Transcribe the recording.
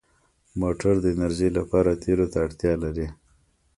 موټر د انرژۍ لپاره تېلو ته اړتیا لري.